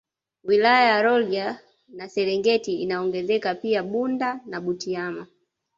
Wilaya ya Rolya na Serengeti inaongezeka pia Bunda na Butiama